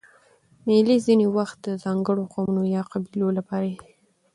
مېلې ځیني وخت د ځانګړو قومونو یا قبیلو له پاره يي.